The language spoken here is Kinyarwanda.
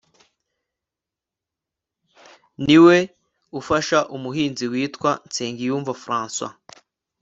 ni we ufasha umuhanzi witwa nsengiyumva francois